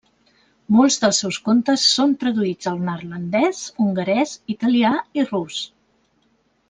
Molts dels seus contes són traduïts al neerlandès, hongarès, italià i rus.